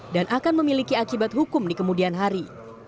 dan akan memiliki akibat hukum di kemudian hari